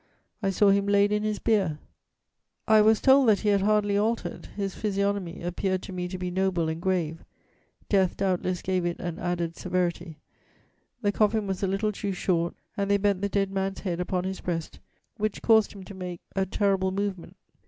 I saw him laid in his bier: I was told that he had hardly altered; his physiognomy appeared to me to be noble and grave; death doubtless gave it an added severity; the coffin was a little too short, and they bent the dead man's head upon his breast, which caused him to make a terrible movement."